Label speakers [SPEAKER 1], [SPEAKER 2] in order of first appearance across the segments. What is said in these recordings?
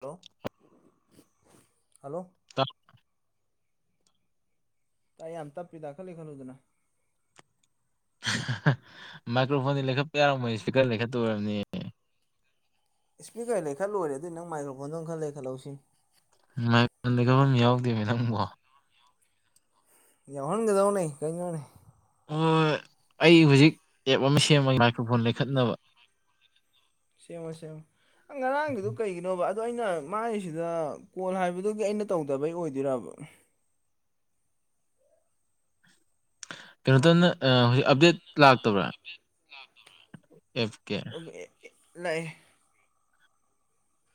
[SPEAKER 1] Hello hello
[SPEAKER 2] ꯇ
[SPEAKER 1] ꯇꯥꯏ ꯌꯥꯝ ꯇꯞꯄꯤꯗ ꯈꯔ ꯂꯩꯈꯠꯂꯨꯗꯅ
[SPEAKER 2] ꯃꯥꯏꯀ꯭ꯔꯣꯐꯣꯟꯗꯤ ꯂꯩꯈꯠꯄ ꯌꯥꯔꯝꯃꯣꯏꯌꯦ ꯏꯁꯄꯤꯀꯔ ꯂꯩꯈꯠꯇꯣꯏ ꯑꯣꯏꯔꯝꯅꯤ
[SPEAKER 1] ꯏꯁꯄꯤꯀꯔ ꯂꯩꯈꯠ ꯂꯣꯏꯔꯦ ꯑꯗꯨꯏ ꯅꯪ ꯃꯥꯏꯀ꯭ꯔꯣꯐꯣꯟꯗꯣ ꯑꯃꯨꯛ ꯈꯔ ꯂꯩꯈꯠꯂꯣ ꯁꯤ
[SPEAKER 2] ꯃꯥꯏꯛꯗ ꯂꯩꯈꯠꯐꯝ ꯌꯥꯎꯗꯦꯃꯤ ꯅꯪꯕꯣ
[SPEAKER 1] ꯌꯥꯎꯍꯟꯒꯗꯧꯅꯦ ꯀꯩꯅꯣꯅꯦ
[SPEAKER 2] ꯍꯣꯏ ꯍꯣꯏ ꯑꯩ ꯍꯧꯖꯤꯛ ꯑꯦꯞ ꯑꯃ ꯁꯦꯝꯃꯒꯦ ꯃꯥꯏꯀ꯭ꯔꯣꯐꯣꯟ ꯂꯩꯈꯠꯅꯕ
[SPEAKER 1] ꯁꯦꯝꯃꯨ ꯁꯦꯝꯃꯨ ꯉꯔꯥꯡꯒꯤꯗꯨ ꯀꯩꯒꯤꯅꯣꯕ ꯑꯗꯣ ꯑꯩꯅ ꯃꯥꯒꯤꯁꯤꯗ ꯀꯣꯜ ꯍꯥꯏꯕꯗꯨꯒꯤ ꯑꯩꯅ ꯇꯧꯗꯕꯩ ꯑꯣꯏꯗꯣꯏꯔꯕ
[SPEAKER 2] ꯀꯩꯅꯣꯇꯅ ꯍꯧꯖꯤꯛ ꯑꯞꯗꯦꯠ ꯂꯥꯛꯇꯕ꯭ꯔꯥ
[SPEAKER 1] [unintelligible]
[SPEAKER 2] ꯑꯦꯐ ꯀꯦ
[SPEAKER 1] ꯂꯥꯛꯏ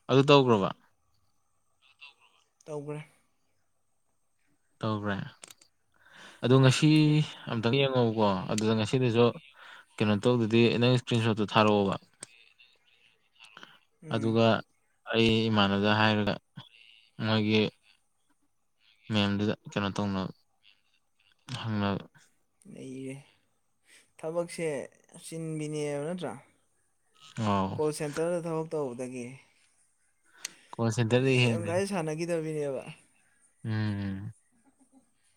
[SPEAKER 2] ꯑꯗꯨ ꯇꯧꯒ꯭ꯔꯕ
[SPEAKER 1] ꯇꯧꯈ꯭ꯔꯕ ꯇꯧꯒ꯭ꯔꯦ
[SPEAKER 2] ꯇꯧꯒ꯭ꯔꯦ ꯑꯗꯣ ꯉꯁꯤ
[SPEAKER 1] ꯎꯝ
[SPEAKER 2] ꯑꯝꯇꯪ ꯌꯦꯡꯉꯛꯎꯀꯣ ꯑꯗꯨꯗ ꯉꯁꯤꯗꯁꯨ ꯀꯩꯅꯣ ꯇꯧꯗꯗꯤ ꯅꯪ ꯏꯁꯀ꯭ꯔꯤꯟ ꯁꯣꯠꯇꯣ ꯊꯥꯔꯛꯑꯣꯕ
[SPEAKER 1] [unintelligible] ꯊꯔꯛꯑꯣꯕ
[SPEAKER 2] ꯑꯗꯨꯒ ꯑꯩ ꯏꯃꯥꯟꯅꯕꯗ ꯍꯥꯏꯔꯒ
[SPEAKER 1] [unintelligible]
[SPEAKER 2] ꯃꯣꯏꯒꯤ ꯃꯦꯝꯗꯨꯗ ꯀꯩꯅꯣ ꯇꯧꯅꯕ ꯍꯪꯅꯕ
[SPEAKER 1] ꯅꯩꯔꯦꯍꯦ ꯊꯕꯛꯁꯦ ꯆꯤꯟꯕꯤꯅꯦꯕ ꯅꯠꯇ꯭ꯔꯥ
[SPEAKER 2] ꯑꯧ
[SPEAKER 1] ꯀꯣꯜ ꯁꯦꯟꯇꯔꯗ ꯊꯕꯛ ꯇꯧꯕꯗꯒꯤ
[SPEAKER 2] ꯀꯣꯜ ꯁꯦꯟꯇꯔꯗꯒꯤ
[SPEAKER 1] ꯒꯦꯝꯒꯥꯏꯁꯦ ꯁꯥꯟꯅꯈꯤꯗꯕꯤꯅꯦꯕ
[SPEAKER 2] ꯎꯝ ꯎꯝ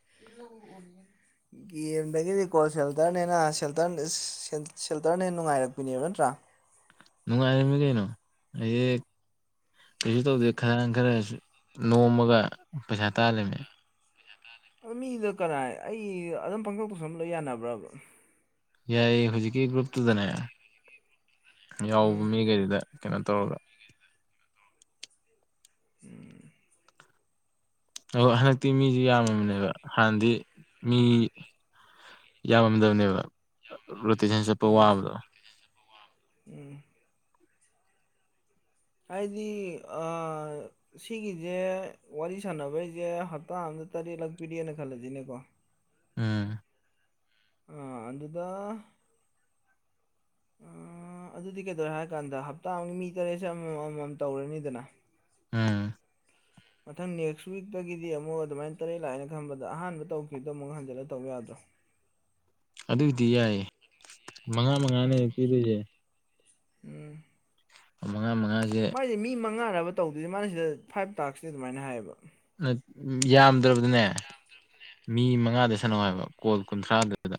[SPEAKER 1] [unintelligible] ꯌꯦꯝꯗꯒꯤꯗꯤ ꯀꯣꯜ ꯁꯦꯜꯇꯔꯅꯦꯅ ꯁꯦꯜꯇꯔ ꯁꯦꯜ ꯁꯦꯜꯇꯔꯅ ꯅꯨꯡꯉꯥꯏꯔꯛꯄꯤꯅꯦꯕ ꯅꯠꯇ꯭ꯔꯥ
[SPEAKER 2] ꯅꯨꯡꯉꯥꯏꯔꯝꯃꯤ ꯀꯩꯅꯣ ꯑꯗꯒꯤ ꯀꯩꯁꯨ ꯇꯧꯗꯦ ꯈꯔ ꯈꯔꯁꯨ ꯅꯣꯝꯃꯒ ꯄꯩꯁꯥ ꯇꯥꯜꯂꯤꯃꯦ
[SPEAKER 1] ꯑꯥ ꯃꯤꯗ ꯀꯅꯥꯏ ꯑꯩ ꯑꯗꯨꯝ ꯄꯪꯇꯧ ꯇꯧꯁꯟ ꯂꯣꯏ ꯌꯥꯅꯕ꯭ꯔꯥꯕ
[SPEAKER 2] ꯌꯥꯏꯌꯦ ꯍꯧꯖꯤꯛꯀꯤ ꯒ꯭ꯔꯨꯞꯇꯨꯗꯅꯦ ꯌꯥꯎꯕ
[SPEAKER 1] ꯎꯝ
[SPEAKER 2] ꯃꯤꯒꯩꯗꯨꯗ ꯀꯩꯅꯣ ꯇꯧꯔꯒ
[SPEAKER 1] ꯎꯝ
[SPEAKER 2] ꯑꯣ ꯍꯟꯗꯛꯇꯤ ꯃꯤꯖꯨ ꯌꯥꯝꯃꯕꯅꯦꯕ ꯍꯥꯟꯅꯗꯤ ꯃꯤ ꯌꯥꯝꯃꯝꯗꯕꯅꯦꯕ ꯔꯣꯇꯦꯁꯟ ꯆꯠꯄ
[SPEAKER 1] ꯎꯝ
[SPEAKER 2] ꯋꯥꯕꯗꯣ
[SPEAKER 1] ꯎꯝ ꯍꯥꯏꯗꯤ ꯑꯥ ꯁꯤꯒꯤꯖꯦ ꯋꯥꯔꯤ ꯁꯥꯟꯅꯕꯩꯖꯦ ꯍꯞꯇꯥ ꯑꯝꯗ ꯇꯔꯦꯠ ꯂꯥꯛꯄꯤꯔꯛꯑꯦꯅ ꯈꯜꯂꯖꯤꯅꯦꯀꯣ
[SPEAKER 2] ꯎꯝ
[SPEAKER 1] ꯑꯥ ꯑꯗꯨꯗ ꯑꯥ ꯑꯗꯨꯗꯤ ꯀꯩꯗꯧꯔꯦ ꯍꯥꯏꯔ ꯀꯥꯟꯗ ꯍꯞꯇꯥ ꯑꯝꯒꯤ ꯃꯤ ꯇꯔꯦꯠꯁꯦ ꯑꯃꯃꯝ ꯑꯃꯃꯝ ꯇꯧꯔꯅꯤꯗꯅ
[SPEAKER 2] ꯎꯝ
[SPEAKER 1] ꯃꯊꯪ ꯅꯦꯛꯁ ꯋꯤꯛꯇꯒꯤꯗꯤ ꯑꯃꯨꯛ ꯑꯗꯨꯃꯥꯏꯅ ꯇꯔꯦꯠ ꯂꯥꯛꯑꯦꯅ ꯈꯟꯕꯗ ꯑꯍꯥꯟꯕ ꯇꯧꯈꯤꯕꯗꯣ ꯑꯃꯨꯛ ꯍꯟꯖꯤꯜꯂꯒ ꯇꯧ ꯌꯥꯗ꯭ꯔꯣ?
[SPEAKER 2] ꯑꯗꯨꯒꯤꯗꯤ ꯌꯥꯏꯌꯦ ꯃꯉꯥ ꯃꯉꯥꯅꯦꯕ ꯄꯤꯗꯣꯏꯁꯦ
[SPEAKER 1] ꯎꯝ
[SPEAKER 2] ꯃꯉꯥ ꯃꯉꯥꯁꯦ
[SPEAKER 1] ꯃꯥꯏ ꯃꯤ ꯃꯉꯥꯔꯕ ꯇꯧꯗꯣꯏꯁꯦ ꯃꯥꯅꯤꯁꯤꯗ ꯐꯥꯏꯚ ꯇꯥꯛꯁꯅꯤ ꯑꯗꯨꯃꯥꯏꯅ ꯍꯥꯏꯌꯦꯕ
[SPEAKER 2] ꯅꯠ ꯌꯥꯝꯗ꯭ꯔꯕꯗꯅꯦ ꯃꯤ ꯃꯉꯥꯗ ꯁꯥꯟꯅꯧ ꯍꯥꯏꯕ ꯀꯣꯜ ꯀꯨꯟꯊ꯭ꯔꯥꯗꯨꯗ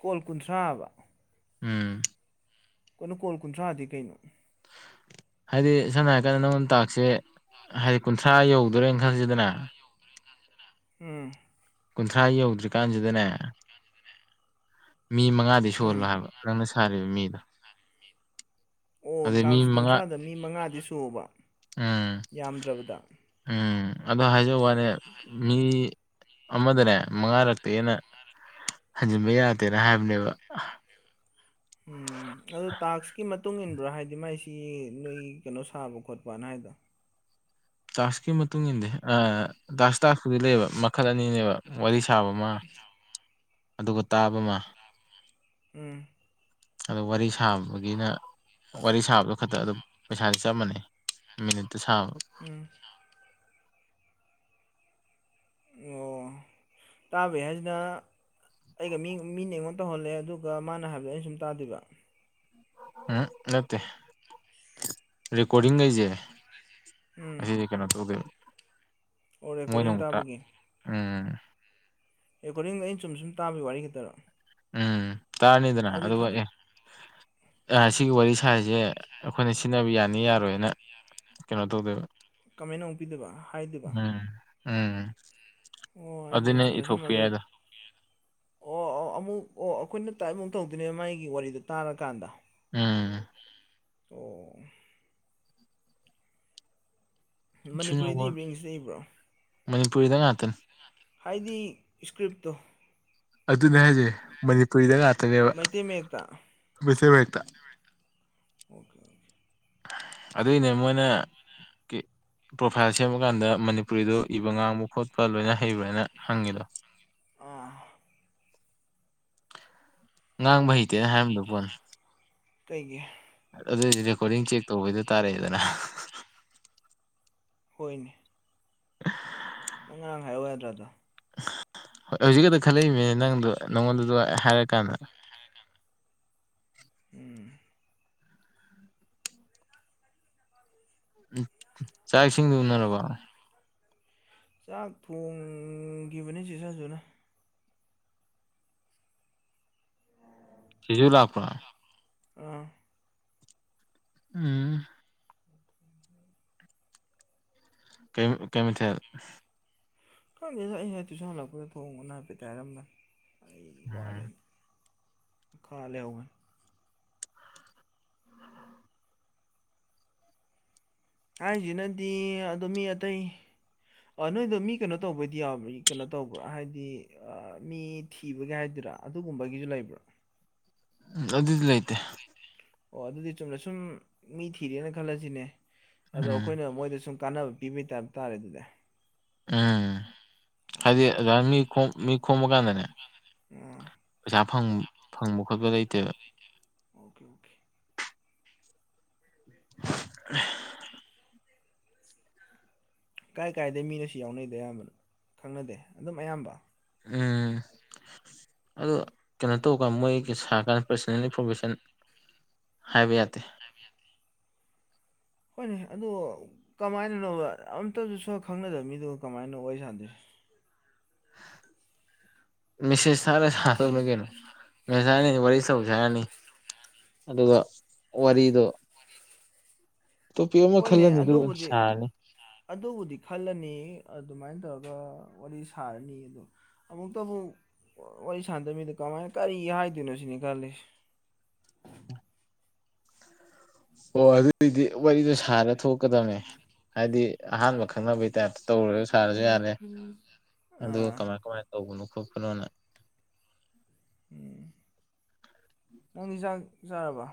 [SPEAKER 1] ꯀꯣꯜ ꯀꯨꯟꯊ꯭ꯔꯥ ꯑꯕ
[SPEAKER 2] ꯎꯝ
[SPEAKER 1] ꯀꯩꯅꯣ ꯀꯣꯜ ꯀꯨꯟꯊ꯭ꯔꯥꯗꯤ ꯀꯩꯅꯣ?
[SPEAKER 2] ꯍꯥꯏꯗꯤ ꯁꯝꯅ ꯍꯥꯏꯔꯀꯥꯟꯗ ꯅꯉꯣꯟꯗ ꯇꯥꯛꯁꯦ ꯍꯥꯏꯗꯤ ꯀꯨꯟꯊ꯭ꯔꯥ ꯌꯧꯗꯣꯔꯦꯅ ꯈꯜꯂꯁꯤꯗꯅ
[SPEAKER 1] ꯎꯝ
[SPEAKER 2] ꯀꯨꯟꯊ꯭ꯔꯥ ꯌꯧꯗ꯭ꯔꯤꯀꯥꯟꯁꯤꯗꯅꯦ ꯃꯤ ꯃꯉꯥꯗꯤ ꯁꯨꯍꯜꯂꯣ
[SPEAKER 1] ꯎꯝ
[SPEAKER 2] ꯍꯥꯏꯕ ꯅꯪꯅ ꯁꯥꯔꯤꯕ ꯃꯤꯗꯣ
[SPEAKER 1] ꯑꯣ
[SPEAKER 2] ꯑꯗꯩ ꯃꯤ
[SPEAKER 1] ꯇꯥꯛꯁ
[SPEAKER 2] ꯃꯉꯥ
[SPEAKER 1] ꯀꯨꯟꯊ꯭ꯔꯥꯗ ꯃꯤ ꯃꯉꯥꯗꯤ ꯁꯨꯑꯣꯕ
[SPEAKER 2] ꯎꯝ ꯎꯝ ꯑꯗ ꯍꯥꯏꯖꯋꯥꯅꯦ ꯃꯤ ꯑꯃꯗꯅꯦ ꯃꯉꯥꯔꯛꯇꯩ ꯍꯦꯟꯅ ꯍꯟꯖꯤꯟꯕ ꯌꯥꯗꯦꯅ ꯍꯥꯏꯕꯅꯦꯕ꯫
[SPEAKER 1] ꯎꯝ ꯑꯗꯣ ꯇꯥꯛꯁꯀꯤ ꯃꯇꯨꯡ ꯏꯟꯕ꯭ꯔ ꯍꯥꯏꯗꯤ ꯃꯥꯏꯁꯤꯒꯤ ꯅꯣꯏꯒꯤ ꯀꯩꯅꯣ ꯁꯥꯕ ꯈꯣꯠꯄꯅ ꯍꯥꯏꯗꯣ?
[SPEAKER 2] ꯇꯥꯛꯁꯀꯤ ꯃꯇꯨꯡ ꯏꯟꯗꯦ ꯑ ꯇꯥꯛꯁ ꯇꯥꯛꯁꯄꯨꯗꯤ ꯂꯩꯌꯦꯕ ꯃꯈꯜ ꯑꯅꯤꯅꯦꯕ ꯋꯥꯔꯤ ꯁꯥꯕ ꯃ ꯑꯗꯨꯒ ꯇꯥꯕ ꯃ
[SPEAKER 1] ꯎꯝ
[SPEAKER 2] ꯑꯗꯨ ꯋꯥꯔꯤ ꯁꯥꯕꯒꯤꯅ ꯋꯥꯔꯤ ꯁꯥꯕꯗꯣ ꯈꯇ ꯑꯗꯨꯝ ꯄꯩꯁꯥꯗꯤ ꯆꯞ ꯃꯥꯟꯅꯩ꯫ ꯃꯤꯅꯠꯇ ꯁꯥꯕ
[SPEAKER 1] ꯎꯝ ꯑꯣ ꯇꯥꯕꯩ ꯍꯥꯏꯖꯤꯅ ꯑꯩꯒ ꯃꯤ ꯃꯤꯅ ꯑꯩꯉꯣꯟꯗ ꯇꯧꯍꯜꯂꯦ ꯑꯗꯨꯒ ꯃꯥꯅ ꯍꯥꯏꯕꯗꯣ ꯑꯩꯅ ꯁꯨꯝ ꯇꯥꯗꯣꯏꯕ
[SPEAKER 2] ꯎꯝ ꯅꯠꯇꯦ ꯔꯦꯀꯣꯔꯗꯤꯡꯒꯩꯖꯦ
[SPEAKER 1] ꯎꯝ
[SPEAKER 2] ꯑꯖꯤꯗꯤ ꯀꯩꯅꯣ ꯇꯧꯗꯦꯕ
[SPEAKER 1] ꯑꯣ
[SPEAKER 2] ꯃꯣꯏꯅ
[SPEAKER 1] ꯔꯦꯀꯣꯔꯗꯤꯡ
[SPEAKER 2] ꯑꯃꯨꯛꯇ
[SPEAKER 1] ꯇꯥꯕꯒꯤ
[SPEAKER 2] ꯎꯝ
[SPEAKER 1] ꯔꯦꯀꯣꯔꯗꯤꯡꯗ ꯑꯩꯅ ꯆꯨꯝꯅ ꯁꯨꯝ ꯇꯥꯕꯩ ꯋꯥꯔꯤ ꯈꯇꯔꯣ
[SPEAKER 2] ꯎꯝ ꯇꯥꯔꯅꯤꯗꯅ ꯑꯗꯨꯒ ꯑꯦ ꯑꯥ ꯁꯤꯒꯤ ꯋꯥꯔꯤ ꯁꯥꯔꯤꯖꯦ ꯑꯈꯣꯏꯅ ꯁꯤꯟꯅꯕ ꯌꯥꯅꯤ ꯌꯥꯔꯣꯏꯅ ꯀꯩꯅꯣ ꯇꯧꯗꯣꯏꯕ
[SPEAKER 1] ꯀꯃꯦꯟ ꯑꯃꯨꯛ ꯄꯤꯗꯣꯏꯕ ꯍꯥꯏꯗꯣꯏꯕ
[SPEAKER 2] ꯎꯝ ꯎꯝ
[SPEAKER 1] ꯑꯣ ꯑꯩꯗꯤ
[SPEAKER 2] ꯑꯗꯨꯅ
[SPEAKER 1] ꯆꯨꯝꯅ ꯁꯨꯝ
[SPEAKER 2] ꯏꯊꯣꯛꯄ
[SPEAKER 1] ꯑꯗꯨ
[SPEAKER 2] ꯌꯥꯏꯗꯣ
[SPEAKER 1] ꯑꯣ ꯑꯣ ꯑꯃꯨꯛ ꯑꯣ ꯑꯈꯣꯏꯅ ꯇꯥꯏꯞ ꯑꯃꯨꯛ ꯇꯧꯗꯣꯏꯅꯦ ꯃꯥꯏꯒꯤ ꯋꯥꯔꯤꯗꯣ ꯇꯥꯔꯀꯥꯟꯗ
[SPEAKER 2] ꯎꯝ
[SPEAKER 1] ꯑꯣ ꯃꯅꯤꯄꯨꯔꯤꯗꯤ
[SPEAKER 2] ꯁꯨꯅꯣꯕ
[SPEAKER 1] ꯏꯕ꯭ꯔ ꯏꯪꯂꯤꯁꯇ ꯏꯕ꯭ꯔꯣ
[SPEAKER 2] ꯃꯅꯤꯄꯨꯔꯤꯗ ꯉꯥꯇꯅꯤ
[SPEAKER 1] ꯍꯥꯏꯗꯤ ꯁꯀ꯭ꯔꯤꯞꯇꯣ
[SPEAKER 2] ꯑꯗꯨꯅꯦ ꯍꯥꯏꯖꯦ ꯃꯅꯤꯄꯨꯔꯤꯗ ꯉꯥꯇꯅꯦꯕ
[SPEAKER 1] ꯃꯩꯇꯩ ꯃꯌꯦꯛꯇ
[SPEAKER 2] ꯃꯩꯇꯩ ꯃꯌꯦꯛꯇ
[SPEAKER 1] ꯑꯣꯀꯦ ꯑꯣꯀꯦ
[SPEAKER 2] ꯑꯗꯨꯏꯅꯦ ꯃꯣꯏꯅ ꯀꯤ ꯄ꯭ꯔꯣꯐꯥꯏꯜ ꯁꯦꯝꯕꯀꯥꯟꯗ ꯃꯅꯤꯄꯨꯔꯤꯗꯣ ꯏꯕ ꯉꯥꯡꯕ ꯈꯣꯠꯄ ꯂꯣꯏꯅ ꯍꯩꯕ꯭ꯔꯅ ꯍꯪꯉꯤꯗꯣ
[SPEAKER 1] ꯑꯥ
[SPEAKER 2] ꯉꯥꯡꯕ ꯍꯩꯇꯦꯅ ꯍꯥꯏꯔꯝꯗꯧ ꯄꯣꯠꯅꯤ
[SPEAKER 1] ꯀꯩꯒꯤ
[SPEAKER 2] ꯑꯗꯨ ꯑꯣꯏꯗꯤ ꯔꯦꯀꯣꯔꯗꯤꯡ ꯆꯦꯛ ꯇꯧꯕꯩꯗ ꯇꯥꯔꯑꯦꯗꯅꯥ
[SPEAKER 1] ꯍꯣꯏꯅꯦ ꯅꯪ ꯉꯔꯥꯡ ꯍꯥꯏꯔꯛꯎ ꯌꯥꯗ꯭ꯔ ꯑꯗꯣ
[SPEAKER 2] ꯍꯧꯖꯤꯛ ꯈꯇ ꯈꯜꯂꯛꯏꯝꯃꯤꯅꯦ ꯅꯪꯗꯣ ꯅꯪꯉꯣꯟꯗꯗꯣ ꯍꯥꯏꯔ ꯀꯥꯟꯗ
[SPEAKER 1] ꯎꯝ
[SPEAKER 2] ꯎꯝ ꯆꯥꯛ ꯏꯁꯤꯡ ꯎꯅꯔꯕꯣ
[SPEAKER 1] ꯆꯥꯛ ꯊꯣꯡꯒꯤꯕꯅꯤ ꯆꯦ ꯁꯟꯖꯨꯅ
[SPEAKER 2] ꯆꯦꯖꯨ ꯂꯥꯛꯄ꯭ꯔꯣ
[SPEAKER 1] ꯑꯥ
[SPEAKER 2] ꯎꯝ ꯀꯦꯝ ꯀꯩ ꯃꯊꯦꯜ
[SPEAKER 1] ꯈꯪꯗꯦꯗ ꯑꯩ ꯉꯁꯥꯏ ꯇꯨꯏꯁꯟ ꯍꯜꯂꯛꯄꯗ ꯊꯣꯡꯉꯣꯅ ꯍꯥꯏꯐꯦꯠꯇꯤ ꯍꯥꯏꯔꯝꯕꯅꯦ ꯑꯩ ꯋꯥꯔꯦꯅ ꯃꯈꯥ ꯂꯩꯍꯧꯕꯅꯤ ꯍꯥꯏꯖꯤꯅꯗꯤ ꯑꯗꯣ ꯃꯤ ꯑꯇꯩ ꯑꯥ ꯅꯣꯏꯗꯣ ꯃꯤ ꯀꯩꯅꯣ ꯇꯧꯕꯩꯗꯤ ꯌꯧꯕ꯭ꯔ ꯀꯩꯅꯣ ꯇꯧꯕ꯭ꯔ ꯍꯥꯏꯗꯤ ꯑꯥ ꯃꯤ ꯊꯤꯕꯒꯤ ꯍꯥꯏꯗꯣꯏꯔ ꯑꯗꯨꯒꯨꯝꯕꯒꯤꯖꯨ ꯂꯩꯕ꯭ꯔ
[SPEAKER 2] ꯎꯝ ꯑꯗꯨꯗꯤ ꯂꯩꯇꯦ
[SPEAKER 1] ꯂꯩꯇꯦ ꯑꯣ ꯑꯗꯨꯗꯤ ꯆꯨꯝꯅ ꯁꯨꯝ ꯃꯤ ꯊꯤꯔꯦꯅ ꯈꯜꯂꯖꯤꯅꯦ ꯑꯗꯣ
[SPEAKER 2] ꯎꯝ
[SPEAKER 1] ꯑꯈꯣꯏꯅ ꯃꯣꯏꯗ ꯁꯨꯝ ꯀꯥꯟꯅꯕ ꯄꯤꯕꯩ ꯇꯥꯏꯞ ꯇꯥꯔꯦ ꯑꯗꯨꯗꯤ
[SPEAKER 2] ꯎꯝ
[SPEAKER 1] ꯑꯣꯀꯦ
[SPEAKER 2] ꯍꯥꯏꯗꯤ
[SPEAKER 1] ꯑꯣꯀꯦ
[SPEAKER 2] ꯑꯗꯨꯃꯥꯏ ꯃꯤ ꯈꯣꯝ ꯃꯤ ꯈꯣꯝꯃꯀꯥꯟꯗꯅꯦ
[SPEAKER 1] ꯉꯣ
[SPEAKER 2] ꯄꯩꯁꯥ ꯐꯪ ꯐꯪꯕ ꯈꯣꯠꯄ ꯂꯩꯇꯦꯕ
[SPEAKER 1] ꯑꯣꯀꯦ ꯑꯣꯀꯦ
[SPEAKER 2] [unintelligible]
[SPEAKER 1] ꯀꯥꯏ ꯀꯥꯏꯗꯩ ꯃꯤꯅꯣꯁꯤ ꯌꯥꯎꯅꯩꯗꯣ ꯑꯌꯥꯝꯕ ꯈꯪꯅꯗꯦ ꯑꯗꯨꯝ ꯑꯌꯥꯝꯕ
[SPEAKER 2] ꯎꯝ ꯑꯗꯣ ꯀꯩꯅꯣ ꯇꯧꯀꯥꯟ ꯃꯣꯏꯒꯤ ꯁꯥꯀꯥꯟ ꯄ꯭ꯔꯁꯅꯦꯜ ꯏꯟꯐꯣꯔꯃꯦꯁꯟ ꯍꯥꯏꯕ ꯌꯥꯇꯦ
[SPEAKER 1] ꯂꯥꯏꯕ ꯌꯥꯗꯦ ꯍꯣꯏꯅꯦ ꯑꯗꯣ ꯀꯃꯥꯏꯅꯅꯣꯕ ꯑꯝꯇꯖꯨ ꯁꯛ ꯈꯪꯅꯗꯕ ꯃꯤꯗꯨꯒ ꯀꯃꯥꯏꯅ ꯋꯥꯔꯤ ꯁꯥꯟꯗꯣꯏꯖꯦ [inaudible]
[SPEAKER 2] ꯃꯦꯁꯦꯁ ꯊꯥꯔ ꯁꯥꯗꯧꯅꯦ ꯀꯩꯅꯣ ꯉꯁꯥꯏꯅ ꯑꯦꯋꯥꯔꯤꯁꯇꯧꯖꯦ ꯍꯥꯏꯔꯅꯤ ꯑꯗꯨꯒ ꯋꯥꯔꯤꯗꯣ ꯇꯣꯄꯤꯛ ꯑꯃ
[SPEAKER 1] ꯍꯣꯏꯅꯦ
[SPEAKER 2] ꯈꯜꯂꯅꯤ ꯑꯗꯨꯒ
[SPEAKER 1] ꯑꯗꯨꯕꯨꯗꯤ
[SPEAKER 2] ꯁꯥꯔꯅꯤ
[SPEAKER 1] ꯑꯗꯨꯕꯨꯗꯤ ꯈꯜꯂꯅꯤ ꯑꯗꯨꯃꯥꯏꯟ ꯇꯧꯔꯒ ꯋꯥꯔꯤ ꯁꯥꯔꯅꯤ ꯑꯗꯨ ꯑꯃꯨꯛꯇꯕꯨ ꯋꯥꯔꯤ ꯁꯥꯟꯗ ꯃꯤꯗ ꯀꯃꯥꯏꯟ ꯀꯔꯤ ꯍꯥꯏꯗꯣꯏꯅꯦ ꯁꯤꯅꯤ ꯈꯜꯂꯤꯖꯦ
[SPEAKER 2] ꯑꯣ ꯑꯗꯨꯏꯗꯤ ꯋꯥꯔꯤꯗꯣ ꯁꯥꯔ ꯊꯣꯛꯀꯗꯝꯅꯦ ꯍꯥꯏꯗꯤ ꯑꯍꯥꯟꯕ ꯈꯪꯅꯕꯩ ꯇꯥꯏꯞꯇ ꯇꯧꯔꯨꯔ ꯁꯥꯔꯖꯨ ꯌꯥꯔꯦ ꯑꯗꯨꯒ
[SPEAKER 1] ꯑꯥ
[SPEAKER 2] ꯀꯃꯥꯏ ꯀꯃꯥꯏ ꯇꯧꯕꯅꯣ ꯈꯣꯠꯄꯅꯣꯅ
[SPEAKER 1] ꯎꯝ ꯅꯪꯗꯤ ꯖꯥꯛ ꯖꯥꯔꯕꯣ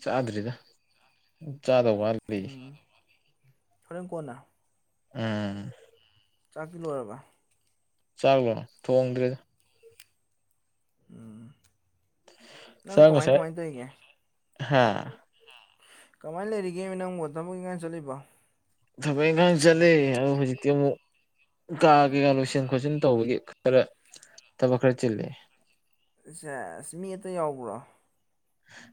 [SPEAKER 2] ꯆꯥꯗ꯭ꯔꯤꯗ ꯆꯥꯗꯧ ꯋꯥꯠꯂꯤ
[SPEAKER 1] ꯎꯝ ꯍꯣꯔꯦꯟ ꯀꯣꯟꯅ
[SPEAKER 2] ꯑꯥ
[SPEAKER 1] ꯆꯥꯛꯇꯤ ꯂꯣꯏꯔꯕ
[SPEAKER 2] ꯆꯥꯛꯂꯣ ꯊꯣꯡꯗ꯭ꯔꯤꯗ
[SPEAKER 1] ꯎꯝ ꯅꯪ
[SPEAKER 2] ꯆꯥꯛ
[SPEAKER 1] ꯀꯃꯥꯏ
[SPEAKER 2] ꯉꯁꯥꯏ ꯍꯥ
[SPEAKER 1] ꯍꯥ ꯀꯃꯥꯏ ꯂꯩꯔꯤꯒꯦꯃꯤ ꯅꯪꯕꯨ ꯊꯕꯛ ꯏꯪꯒꯥꯡ ꯆꯠꯂꯤꯕꯣ
[SPEAKER 2] ꯊꯕꯛ ꯏꯪꯒꯥꯡ ꯆꯠꯂꯤ ꯑꯗꯣ ꯍꯨꯖꯤꯛꯇꯤ ꯑꯃꯨꯛ ꯀꯥ ꯀꯩꯀꯥ ꯂꯣꯏꯁꯟ ꯈꯣꯠꯆꯤꯟ ꯇꯧꯕꯒꯤ ꯈꯔ ꯊꯕꯛ ꯈꯔ ꯆꯤꯜꯂꯤ
[SPEAKER 1] ꯁꯦꯁ ꯃꯤ ꯑꯇꯩ ꯌꯥꯎꯕ꯭ꯔꯣ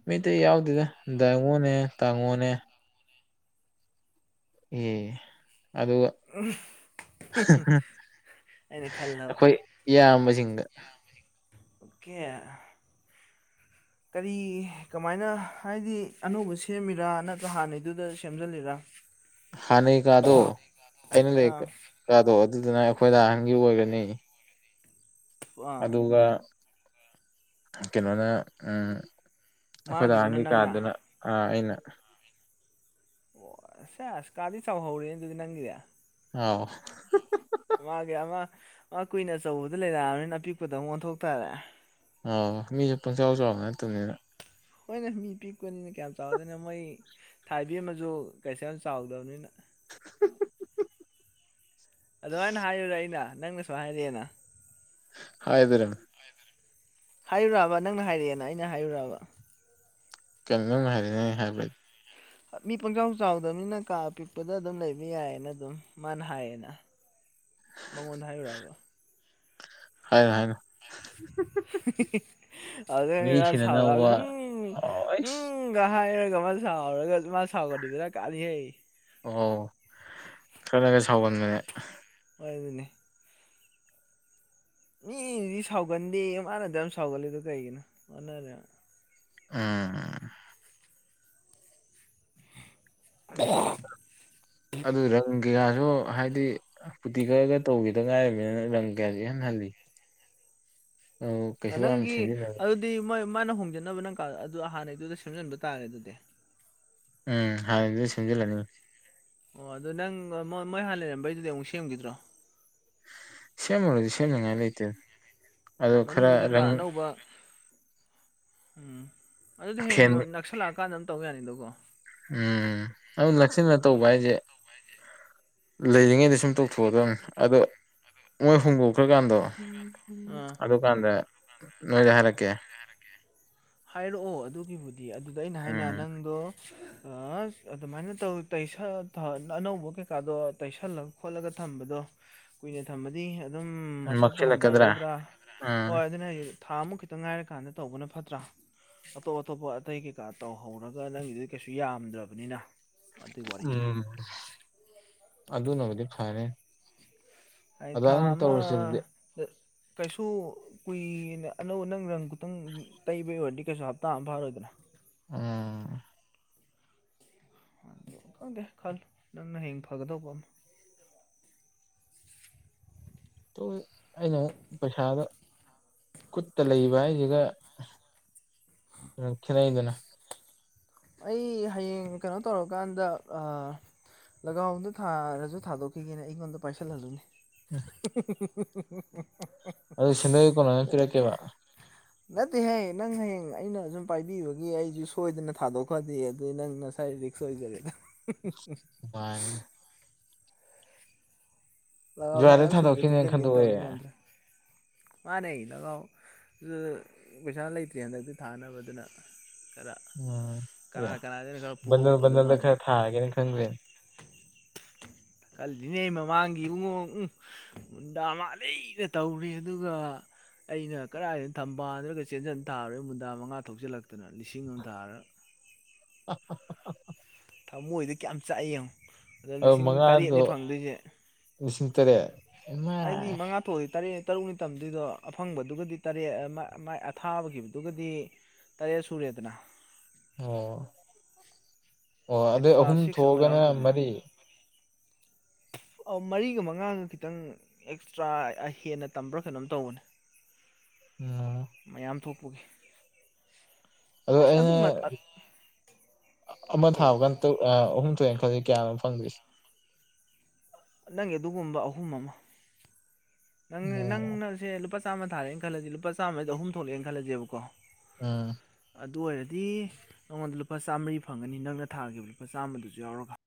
[SPEAKER 2] ꯃꯤ ꯑꯇꯩ ꯌꯥꯎꯗꯦꯗ ꯗꯥꯏꯉꯣꯅꯦ ꯇꯥꯉꯣꯅꯦ ꯑꯦ ꯑꯗꯨꯒ
[SPEAKER 1] ꯑꯝ [unintelligible]
[SPEAKER 2] ꯑꯈꯣꯏ ꯏꯌꯥꯝꯕꯁꯤꯡꯗ
[SPEAKER 1] ꯑꯣꯀꯦ ꯀꯔꯤ ꯀꯃꯥꯏꯅ ꯍꯥꯏꯗꯤ ꯑꯅꯧꯕ ꯁꯦꯝꯃꯤꯔꯥ ꯅꯠꯇ꯭ꯔ ꯍꯥꯟꯅꯩꯗꯨꯗ ꯁꯦꯝꯖꯜꯂꯤꯔꯥ
[SPEAKER 2] ꯍꯥꯟꯅꯩ ꯀꯥꯗꯣ ꯑꯩꯅ ꯂꯩ
[SPEAKER 1] ꯑꯥ
[SPEAKER 2] ꯀꯥꯗꯣ ꯑꯗꯨꯗꯨꯅ ꯑꯩꯈꯣꯏ ꯗꯥꯍꯟꯒꯤ ꯑꯣꯏꯒ꯭ꯔꯅꯤ
[SPEAKER 1] ꯑꯥ
[SPEAKER 2] ꯑꯗꯨꯒ ꯀꯩꯅꯣꯅ ꯑꯝ ꯑꯈꯣꯏ
[SPEAKER 1] ꯃꯥꯒꯤꯗꯨꯅ
[SPEAKER 2] ꯗꯥꯍꯟꯒꯤ
[SPEAKER 1] ꯅꯪꯅ
[SPEAKER 2] ꯀꯥꯗꯨꯅ ꯑꯥ ꯑꯩꯅ
[SPEAKER 1] ꯑꯣ ꯁꯦꯁ ꯀꯥꯗꯤ ꯆꯥꯎꯍꯧꯔꯦꯅꯦ ꯗꯨꯗꯤ ꯅꯪꯒꯤꯖꯦ
[SPEAKER 2] ꯑꯥꯎ [unintelligible]
[SPEAKER 1] ꯃꯥꯒꯤ ꯑꯃ ꯃꯥ ꯀꯨꯏꯟ ꯑꯆꯧꯕꯗ ꯂꯩꯔꯛꯑꯝꯅꯤꯅ ꯑꯄꯤꯛꯄꯗ ꯑꯃꯨꯛ ꯑꯣꯟꯊꯣꯛ ꯇꯥꯔꯦ
[SPEAKER 2] ꯑ ꯃꯤꯖꯨ ꯄꯪꯆꯥꯎ ꯆꯥꯎꯕ ꯅꯠꯇꯝꯅꯤꯅ
[SPEAKER 1] ꯍꯣꯏꯒ ꯃꯤ ꯄꯤꯛꯄꯅꯤꯅ ꯀꯌꯥꯝ ꯆꯥꯎꯗꯣꯏꯅꯣ ꯃꯣꯏ ꯊꯥꯏꯕꯦꯝꯃꯁꯨ ꯀꯩꯁꯨ ꯌꯥꯝ ꯆꯥꯎꯗꯕꯅꯤꯅ
[SPEAKER 2] [unintelligible]
[SPEAKER 1] ꯑꯗꯨꯃꯥꯏꯅ ꯍꯥꯏꯌꯨꯔꯦ ꯑꯩꯅ ꯅꯪꯅ ꯁꯨꯃꯥꯏꯅ ꯍꯥꯏꯔꯛꯑꯦꯅ
[SPEAKER 2] [unintelligible]
[SPEAKER 1] ꯍꯥꯏꯔꯌꯨꯔꯕ ꯅꯪꯅ ꯍꯥꯏꯔꯛꯑꯦꯅ ꯑꯩꯅ ꯍꯥꯏꯌꯨꯔꯕ
[SPEAKER 2] ꯀꯩꯅꯣ ꯅꯪ ꯍꯥꯏꯔꯦꯛꯅ ꯅꯪ ꯍꯥꯏꯕꯗꯤ
[SPEAKER 1] ꯃꯤ ꯄꯪꯆꯥꯎ ꯆꯥꯎꯗꯕꯅꯤꯅ ꯀꯥ ꯑꯄꯤꯛꯄꯗ ꯑꯗꯨꯝ ꯂꯩꯕ ꯌꯥꯏꯌꯦꯅ ꯑꯗꯨꯝ ꯃꯥꯅ ꯍꯥꯏꯌꯦꯅ ꯃꯉꯣꯟꯗ ꯍꯥꯏꯌꯨꯔꯕ
[SPEAKER 2] ꯍꯥꯏꯅꯣ ꯍꯥꯏꯅꯣ
[SPEAKER 1] [unintelligible] ꯑꯗꯨꯗ
[SPEAKER 2] ꯃꯤ
[SPEAKER 1] ꯃꯥ ꯁꯥꯎꯔꯛ
[SPEAKER 2] ꯁꯤꯅꯅꯕ
[SPEAKER 1] ꯎꯝ
[SPEAKER 2] ꯑꯣ
[SPEAKER 1] ꯎꯝ
[SPEAKER 2] ꯑꯩꯁ
[SPEAKER 1] ꯎꯝꯒ ꯍꯥꯏꯔꯒ ꯃꯥ ꯁꯥꯎꯔꯒ ꯃꯥ ꯁꯥꯎꯒꯗꯤ ꯕꯦꯔꯥ ꯀꯥꯅꯤꯍꯦ
[SPEAKER 2] ꯑꯣ ꯈꯔꯒ ꯁꯥꯎꯒꯟꯕꯅꯦ
[SPEAKER 1] ꯍꯣꯏ ꯑꯗꯨꯅꯦ ꯃꯤꯒꯤꯗꯨꯗꯤ ꯁꯥꯎꯒꯟꯗꯦꯌꯦ ꯃꯥꯥꯅ ꯑꯗꯨꯛ ꯌꯥꯝ ꯁꯥꯎꯒꯜꯂꯤꯗꯣ ꯀꯩꯒꯤꯅꯣ ꯑꯣꯟꯅꯔꯦ
[SPEAKER 2] ꯎꯝ
[SPEAKER 1] [unintelligible]
[SPEAKER 2] ꯑꯗꯨꯒꯤ ꯔꯪꯒꯤꯔꯁꯨ ꯍꯥꯏꯗꯤ ꯄꯨꯇꯤ ꯀꯛꯑꯒ ꯇꯧꯒꯤꯗ ꯉꯥꯏꯔꯤꯕꯅꯤꯅ ꯔꯪ ꯀꯌꯥꯁꯨ ꯏꯍꯟ ꯍꯜꯂꯤ
[SPEAKER 1] [inaudible]
[SPEAKER 2] ꯑꯗꯨ ꯀꯩꯁꯨ ꯌꯥꯝ
[SPEAKER 1] ꯅꯪꯒꯤ
[SPEAKER 2] ꯁꯦꯝꯖꯤꯟꯅ
[SPEAKER 1] ꯑꯗꯨꯗꯤ ꯃꯣꯏ ꯃꯥꯅ ꯍꯣꯡꯖꯟꯅꯕ ꯅꯪ ꯀꯥ ꯑꯗꯨ ꯍꯥꯟꯅꯩꯗꯨꯗ ꯁꯦꯝꯖꯤꯟꯕ ꯇꯥꯔꯦ ꯑꯗꯨꯗꯤ
[SPEAKER 2] ꯎꯝ ꯍꯥꯟꯅꯩꯗꯨꯗ ꯁꯦꯝꯖꯤꯜꯂꯅꯤ
[SPEAKER 1] ꯑꯣ ꯑꯗꯣ ꯅꯪ ꯃꯣꯏ ꯍꯥꯟꯅ ꯂꯩꯔꯝꯕꯩꯗꯨꯗꯤ ꯑꯃꯨꯛ ꯁꯦꯝꯒꯤꯗ꯭ꯔꯣ
[SPEAKER 2] ꯁꯦꯝꯃꯔꯣꯏꯗ ꯁꯦꯝꯅꯤꯡꯉꯥꯏ ꯂꯩꯇꯦꯗ ꯑꯗꯣ ꯈꯔ
[SPEAKER 1] ꯃꯅꯨꯡꯗ ꯀꯩꯀꯥ
[SPEAKER 2] ꯔꯪ
[SPEAKER 1] ꯑꯅꯧꯕ ꯎꯝ ꯑꯗꯨꯗꯣ ꯍꯌꯦꯡ
[SPEAKER 2] ꯐꯦꯟ
[SPEAKER 1] ꯑꯃꯨꯛ ꯅꯛꯁꯜꯂꯛꯑꯀꯥꯟꯗ ꯑꯗꯨꯝ ꯇꯧ ꯌꯥꯅꯤꯗꯀꯣ
[SPEAKER 2] ꯎꯝ ꯑꯗꯨ ꯅꯛꯁꯤꯜꯂꯒ ꯇꯧꯕ ꯍꯥꯏꯁꯦ ꯂꯩꯔꯤꯉꯩꯗ ꯁꯨꯝ ꯇꯧꯊꯣꯛꯑꯗꯕꯅꯤ ꯑꯗꯣ ꯃꯣꯏ ꯍꯣꯡꯗꯣꯛꯈ꯭ꯔꯀꯥꯟꯗꯣ
[SPEAKER 1] ꯑꯥ
[SPEAKER 2] ꯑꯗꯨꯀꯥꯟꯗ ꯅꯣꯏꯗ ꯍꯥꯏꯔꯛꯀꯦ
[SPEAKER 1] ꯍꯥꯏꯔꯛꯑꯣ ꯑꯗꯨꯒꯤꯕꯨꯗꯤ ꯑꯗꯨꯗ ꯑꯩꯅ ꯍꯥꯏꯅ
[SPEAKER 2] ꯎꯝ
[SPEAKER 1] ꯅꯪꯗꯣ ꯑꯥꯁ ꯑꯗꯨꯃꯥꯏꯅ ꯇꯧ ꯇꯩꯁꯜꯂ ꯊꯝ ꯑꯅꯧꯕ ꯀꯩꯀꯥꯗꯣ ꯇꯩꯁꯜꯂ ꯈꯣꯠꯂꯒ ꯊꯝꯕꯗꯣ ꯀꯨꯏꯅ ꯊꯝꯃꯗꯤ ꯑꯗꯨꯝ ꯃꯁꯛꯇꯣ
[SPEAKER 2] ꯃꯛꯁꯤꯜꯂꯛꯀꯗ꯭ꯔꯥ
[SPEAKER 1] ꯍꯟꯊꯔꯛꯑꯣꯏꯗ꯭ꯔꯥ
[SPEAKER 2] ꯎꯝ
[SPEAKER 1] ꯍꯣꯏ ꯑꯗꯨꯅꯦ ꯍꯥꯏꯖꯦ ꯊꯥ ꯑꯃꯨꯛ ꯈꯤꯇꯪ ꯉꯥꯏꯔꯀꯥꯟꯗ ꯇꯧꯕꯅ ꯐꯠꯇ꯭ꯔꯥ ꯑꯇꯣꯞ ꯑꯇꯣꯞꯄ ꯑꯇꯩ ꯀꯩꯀꯥ ꯇꯧꯍꯧꯔꯒ ꯅꯪꯒꯤꯗꯨꯗꯤ ꯀꯩꯁꯨ ꯌꯥꯝꯗ꯭ꯔꯕꯅꯤꯅ ꯑꯗꯨꯒꯤ ꯋꯥꯔꯤꯅꯤꯗ
[SPEAKER 2] ꯎꯝ ꯑꯗꯨꯅꯕꯨꯗꯤ ꯐꯔꯦ
[SPEAKER 1] ꯍꯥꯏ ꯊꯥ ꯑꯃꯗ ꯀꯩꯁꯨ ꯀꯨꯏꯅ ꯑꯅꯧꯕ ꯅꯪ ꯔꯪ ꯈꯇꯪ ꯇꯩꯕꯩ ꯑꯣꯏꯔꯗꯤ ꯀꯩꯁꯨ ꯍꯞꯇꯥ ꯑꯃ ꯐꯥꯔꯣꯏꯗꯅ
[SPEAKER 2] ꯎꯝ
[SPEAKER 1] ꯈꯪꯗꯦ ꯈꯜꯂꯨ ꯅꯪꯅ ꯍꯌꯦꯡ ꯐꯒꯗꯧꯕ ꯑꯃ
[SPEAKER 2] ꯇꯧꯕꯕꯨꯗꯤ ꯑꯩꯅ ꯑꯃꯨꯛ ꯄꯩꯁꯥꯗ ꯈꯨꯨꯠꯇ ꯂꯩꯕ ꯍꯥꯏꯁꯤꯒ ꯈꯦꯠꯅꯩꯗꯅ
[SPEAKER 1] ꯑꯩ ꯍꯌꯦꯡ ꯀꯩꯅꯣ ꯇꯧꯔꯀꯥꯟꯗ ꯂꯥꯒꯥꯗ ꯊꯥꯔꯁꯨ ꯊꯥꯗꯣꯛꯈꯤꯒꯦꯅꯦ ꯑꯩꯉꯣꯟꯗ ꯄꯥꯏꯁꯤꯜꯍꯜꯂꯨꯅꯦ ꯍꯤ
[SPEAKER 2] ꯎꯝ ꯑꯗꯨ ꯁꯦꯟꯗꯣꯏ ꯀꯣꯟꯅꯅ
[SPEAKER 1] ꯍꯤ
[SPEAKER 2] ꯄꯤꯔꯛꯀꯦꯕ
[SPEAKER 1] ꯅꯠꯇꯦꯍꯦ ꯅꯪ ꯍꯌꯦꯡ ꯑꯩꯅ ꯁꯨꯝ ꯄꯥꯏꯕꯤꯕꯒꯤ ꯑꯩꯁꯨ ꯁꯣꯏꯗꯅ ꯊꯥꯗꯣꯛ ꯈꯣꯗꯤ ꯑꯗꯨꯗꯤ ꯅꯪ ꯅꯁꯥꯏ ꯔꯤꯛꯁ ꯑꯣꯏꯖꯔꯦꯗ
[SPEAKER 2] [unintelligible]
[SPEAKER 1] ꯂꯒꯥꯎ
[SPEAKER 2] ꯖꯨꯂꯥꯏꯗ
[SPEAKER 1] ꯊꯥꯅꯕ ꯁꯦꯟ ꯈꯤꯇ
[SPEAKER 2] ꯊꯥꯗꯣꯛꯈꯤꯅꯦꯅ
[SPEAKER 1] ꯇꯨꯡꯁꯤꯟꯒꯦ
[SPEAKER 2] ꯈꯟꯗꯣꯛꯑꯦ
[SPEAKER 1] ꯇꯧꯅꯤ ꯉꯝꯗ꯭ꯔꯦ ꯃꯥꯅꯦ ꯂꯒꯥꯎ ꯑꯗꯨ ꯄꯩꯁꯥ ꯂꯩꯇ꯭ꯔꯦ ꯍꯟꯗꯛꯇꯤ ꯊꯥꯅꯕ ꯑꯗꯨꯅ ꯈꯔ
[SPEAKER 2] ꯎꯝ ꯌꯥ
[SPEAKER 1] ꯀꯅꯥ ꯀꯅꯥꯗꯅ ꯈꯔ ꯄꯨꯍꯧ
[SPEAKER 2] ꯕꯟꯗꯜ
[SPEAKER 1] ꯐꯗꯧ
[SPEAKER 2] ꯕꯟꯗꯜꯗ
[SPEAKER 1] ꯃꯥꯟꯕ
[SPEAKER 2] ꯈꯔ ꯊꯥꯔꯒꯦꯅ ꯈꯟꯈ꯭ꯔꯦꯅꯦ
[SPEAKER 1] ꯈꯜꯂꯤꯅꯤꯅꯦ ꯃꯃꯥꯡꯒꯤ ꯏꯕꯨꯡꯉꯣ ꯎꯡ ꯃꯨꯟꯗꯥ ꯃꯥꯜꯂꯤꯗ ꯇꯧꯔꯤ ꯑꯗꯨꯒ ꯑꯩꯅ ꯀꯗꯥꯏꯗ ꯊꯝꯕꯥꯜꯗꯒ ꯆꯦꯟꯖꯟ ꯊꯥꯔꯨꯔꯦ ꯃꯨꯟꯗꯥ ꯃꯉꯥ ꯊꯣꯛꯆꯜꯂꯛꯇꯅ ꯂꯤꯁꯤꯡ ꯑꯃ ꯊꯥꯔꯒ
[SPEAKER 2] ꯍꯥ ꯍꯥ
[SPEAKER 1] ꯊꯃꯣꯏꯗꯤ ꯀꯌꯥꯝ ꯆꯥꯛꯑꯦ ꯌꯦꯡꯉꯣ ꯑꯗ
[SPEAKER 2] ꯑꯗꯣ
[SPEAKER 1] ꯂꯤꯁꯤꯡ ꯇꯔꯦꯠꯅꯤ
[SPEAKER 2] ꯃꯉꯥꯗꯣ
[SPEAKER 1] ꯐꯪꯗꯣꯏꯁꯦ
[SPEAKER 2] ꯂꯤꯁꯤꯡ ꯇꯔꯦꯠ
[SPEAKER 1] ꯍꯥꯏꯗꯤ
[SPEAKER 2] ꯏꯃꯥꯏ
[SPEAKER 1] ꯃꯉꯥ ꯊꯣꯛꯑꯗꯤ ꯇꯔꯦꯠ ꯇꯔꯨꯛꯅꯤ ꯇꯝꯗꯨꯏꯗꯣ ꯑꯐꯪꯕꯗꯨꯒꯗꯤ ꯇꯔꯦꯠ ꯃꯥ ꯃꯥꯏ ꯑꯊꯥꯕꯒꯤꯗꯨꯒꯗꯤ ꯇꯔꯦꯠ ꯁꯨꯔꯦꯗꯅ
[SPEAKER 2] ꯑꯣ ꯑꯣ ꯑꯗꯩ
[SPEAKER 1] ꯑꯦꯛꯁꯇ꯭ꯔꯥ
[SPEAKER 2] ꯑꯍꯨꯝ
[SPEAKER 1] ꯁꯤꯛꯁ ꯑꯃ
[SPEAKER 2] ꯊꯣꯛꯑꯒꯅ
[SPEAKER 1] ꯌꯥꯎꯔꯛꯀꯗꯣꯏꯅꯤ
[SPEAKER 2] ꯃꯔꯤ
[SPEAKER 1] ꯃꯔꯤꯒ ꯃꯉꯥꯒ ꯈꯤꯇꯪ ꯑꯦꯛꯁꯇ꯭ꯔꯥ ꯍꯦꯟꯅ ꯇꯝꯕ꯭ꯔꯥ ꯀꯩꯅꯣꯝ ꯇꯧꯕꯅꯦ
[SPEAKER 2] [unintelligible]
[SPEAKER 1] ꯃꯌꯥꯝ ꯊꯣꯛꯄꯒꯤ
[SPEAKER 2] ꯑꯗꯣ
[SPEAKER 1] ꯑꯁ
[SPEAKER 2] ꯑꯩꯅ
[SPEAKER 1] ꯑꯗꯨꯏ ꯃꯠ ꯑꯠ
[SPEAKER 2] ꯑꯃ
[SPEAKER 1] ꯀꯩꯗꯧꯕ
[SPEAKER 2] ꯊꯥꯕ ꯀꯥꯟ ꯇꯣ ꯑꯥ ꯑꯍꯨꯝ ꯊꯣꯛꯑꯦ ꯈꯜꯂꯗꯤ ꯀꯌꯥꯅꯣ ꯐꯪꯗꯣꯏꯁꯦ?
[SPEAKER 1] ꯅꯪꯒꯤ ꯑꯗꯨꯒꯨꯝꯕ ꯑꯍꯨꯝ ꯑꯃ ꯅꯪ
[SPEAKER 2] ꯑꯣ
[SPEAKER 1] ꯅꯪꯅꯖꯦ ꯂꯨꯄꯥ ꯆꯥꯝꯃ ꯇꯥꯔꯦꯅ ꯈꯜꯂꯗꯤ ꯂꯨꯄꯥ ꯆꯥꯝꯗ ꯑꯍꯨꯝ ꯊꯣꯛꯂꯦ ꯈꯜꯂꯖꯦꯕꯀꯣ
[SPEAKER 2] ꯎꯝ
[SPEAKER 1] ꯑꯗꯨ ꯑꯣꯏꯔꯗꯤ ꯅꯪꯉꯣꯟꯗ ꯂꯨꯄꯥ ꯆꯥꯝꯃꯔꯤ ꯐꯪꯒꯅꯤ ꯅꯪꯅ ꯊꯥꯈꯤꯕ ꯂꯨꯄꯥ ꯆꯥꯝꯃꯗꯨꯁꯨ ꯌꯥꯎꯔꯒ꯫